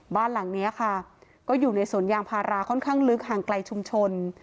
บ้านหลังนี้ค่ะก็อยู่ในสวนยางพาราค่อนข้างลึกห่างไกลชุมชน